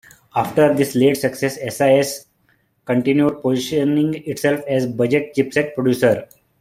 After this late success, SiS continued positioning itself as a budget chipset producer.